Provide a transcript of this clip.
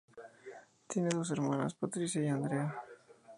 Tiene dos hermanas, Patricia y Andrea.